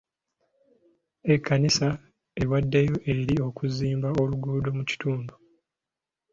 Ekkanisa ewaddeyo eri okuzimba oluguudo mu kitundu.